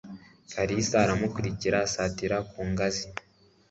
Kalisa aramukurikira asitara ku ngazi.